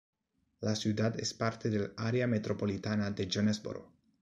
La ciudad es parte del área metropolitana de Jonesboro.